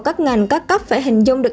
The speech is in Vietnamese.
các ngành các cấp phải hình dung được